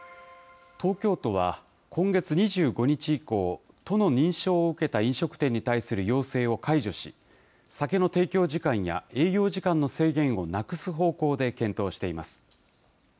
東京都は今月２５日以降、都の認証を受けた飲食店に対する要請を解除し、酒の提供時間や営業時間の制限をなくす方向で検討しています。